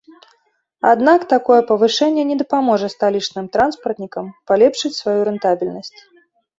Аднак такое павышэнне не дапаможа сталічным транспартнікам палепшыць сваю рэнтабельнасць.